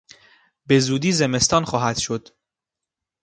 بزودی زمستان خواهد شد.